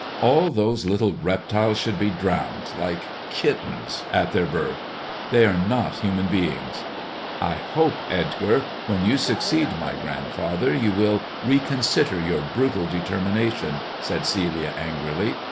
" All those little reptiles should be drowned, like kittens, at their birth. They are not human beings." " I hope, Edgar, when you succeed my grandfather, you will reconsider your brutal determination," said Celia angrily.